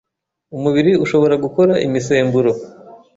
umubiri ushobora gukora imisemburo,